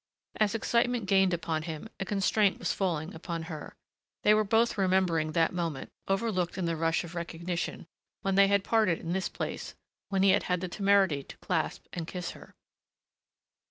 As excitement gained upon him, a constraint was falling upon her. They were both remembering that moment, overlooked in the rush of recognition, when they had parted in this place, when he had had the temerity to clasp and kiss her.